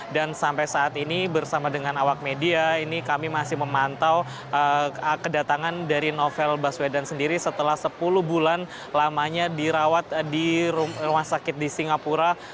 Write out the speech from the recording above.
dan sampai saat ini bersama dengan awak media ini kami masih memantau kedatangan dari novel baswedan sendiri setelah sepuluh bulan lamanya dirawat di rumah sakit di singapura